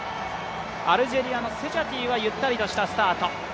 アルジェリアのセジャティはゆったりとしたスタート。